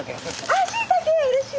あっしいたけうれしい！